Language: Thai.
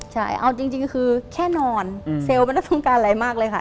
ใช่เอาจริงคือแค่นอนเซลล์ไม่ได้ต้องการอะไรมากเลยค่ะ